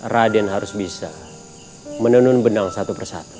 raden harus bisa menenun benang satu persatu